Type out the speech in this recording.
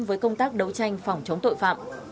với công tác đấu tranh phòng chống tội phạm